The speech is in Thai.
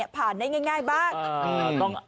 ผ่านได้ง่ายบ้าง